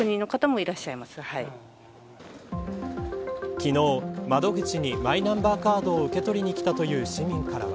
昨日、窓口にマイナンバーカードを受け取りに来たという市民からは。